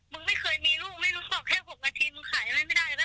มึงไม่เคยมีลูกไม่รู้หรอกแค่๖นาทีมึงขายอะไรไม่ได้แล้ว